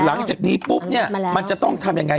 หลังจากนี้ปุ๊บเนี่ยมันจะต้องทำยังไง